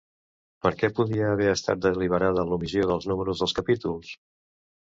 Per què podria haver estat deliberada l'omissió dels números dels capítols?